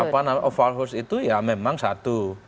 apa namanya of falsehood itu ya memang satu